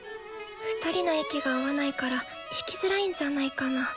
２人の息が合わないから弾きづらいんじゃないかな？